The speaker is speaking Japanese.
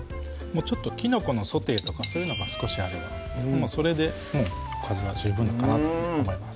ちょっと「キノコのソテー」とかそういうのが少しあればもうそれでおかずは十分かなと思います